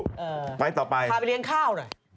ไปต่อไปใช่พาไปเลี้ยงข้าวหน่อย